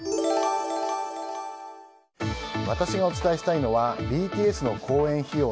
私がお伝えしたいのはＢＴＳの公演費用